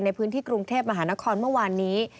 ในพื้นที่กรุงเทพมหานครเมื่อวานนี้